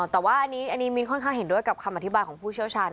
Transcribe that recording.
แต่ว่าอันนี้มิ้นค่อนข้างเห็นด้วยกับคำอธิบายของผู้เชี่ยวชาญ